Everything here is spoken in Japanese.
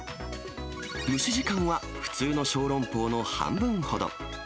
蒸し時間は普通の小籠包の半分ほど。